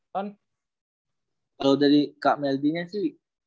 kalo dari kak meldy nya sih